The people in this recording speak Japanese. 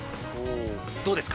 どうですか？